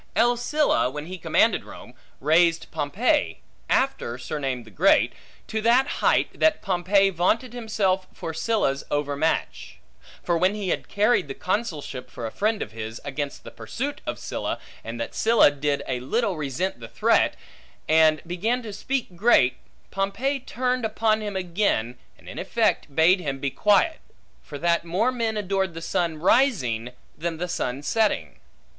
L. Sylla, when he commanded Rome, raised Pompey (after surnamed the Great) to that height, that Pompey vaunted himself for Sylla's overmatch. For when he had carried the consulship for a friend of his, against the pursuit of Sylla, and that Sylla did a little resent thereat, and began to speak great, Pompey turned upon him again, and in effect bade him be quiet; for that more men adored the sun rising, than the sun setting.